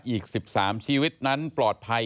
อีก๑๓ชีวิตนั้นปลอดภัย